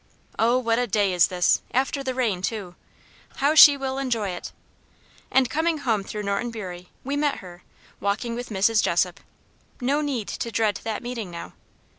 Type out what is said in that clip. "Oh! what a day is this! after the rain, too! How she will enjoy it!" And coming home through Norton Bury, we met her, walking with Mrs. Jessop. No need to dread that meeting now.